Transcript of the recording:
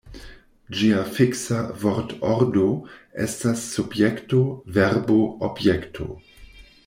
Ĝia fiksa vortordo estas subjekto-verbo-objekto.